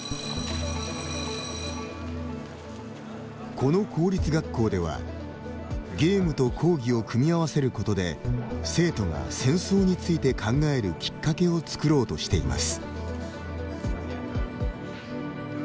この公立学校では、ゲームと講義を組み合わせることで生徒が戦争について考えるきっかけを作ろうとしています。